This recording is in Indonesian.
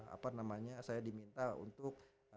apa namanya saya diminta untuk